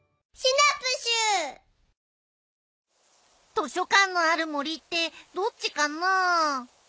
図書館のある森ってどっちかな？